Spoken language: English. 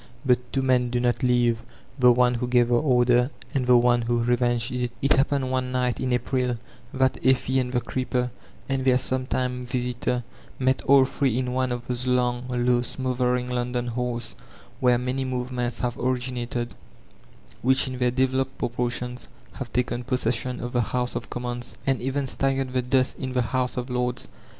But two men do not live, — ^the one who gave the order, and the one who revenged it It hai^ned one night, in April, that Effie and the creeper and their sometime visitor met all three in one of those long low smothering London halls where many movements have originated, which in their devel oped proportions have taken possession of the House of Commons, and even stirred the dust in the House of Lords.